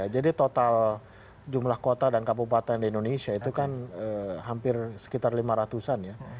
jadi total jumlah kota dan kabupaten di indonesia itu kan hampir sekitar lima ratusan ya